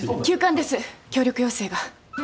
急患です協力要請が。